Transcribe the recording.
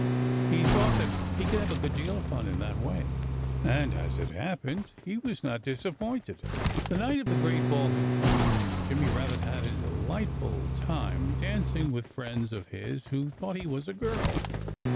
He thought that he could have a good deal of fun in that way. And as it happened, he was not disappointed. The night of the great Ball had come; and Jimmy Rabbit had a delightful time dancing with friends of his who thought he was a girl.